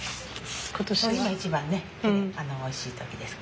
今一番ねおいしい時です。